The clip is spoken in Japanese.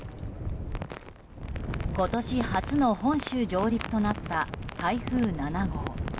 今年初の本州上陸となった台風７号。